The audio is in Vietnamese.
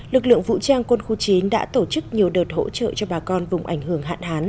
lực lượng vũ trang quân khu chín đã tổ chức nhiều đợt hỗ trợ cho bà con vùng ảnh hưởng hạn hán